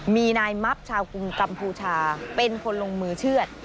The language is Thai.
มีนายมับชาวกรุงกัมพูชาเป็นคนลงมือเชื่อด